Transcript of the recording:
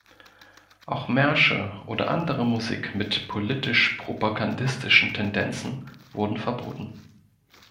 Auch Märsche oder andere Musik mit „politisch-propagandistischen Tendenzen“ wurden verboten.